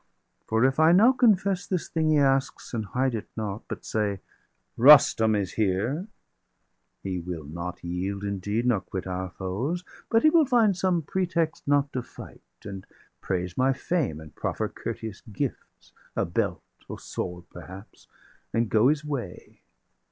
For if I now confess this thing he asks, And hide it not, but say: Rustum is here! 350 He will not yield indeed, nor quit our foes, But he will find some pretext not to fight, And praise my fame, and proffer courteous gifts A belt or sword perhaps, and go his way.